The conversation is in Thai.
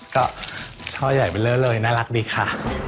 ก็ช่อใหญ่ไปเลอะเลยน่ารักดีค่ะ